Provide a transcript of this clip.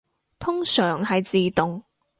通常係自動